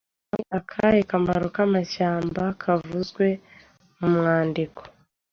Ni akahe kamaro k’amashyamba kavuzwe mu mwandiko?